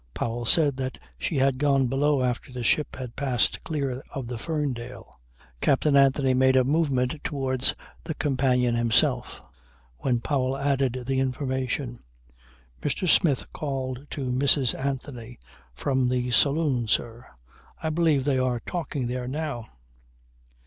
Powell said that she had gone below after the ship had passed clear of the Ferndale. Captain Anthony made a movement towards the companion himself, when Powell added the information. "Mr. Smith called to Mrs. Anthony from the saloon, sir. I believe they are talking there now."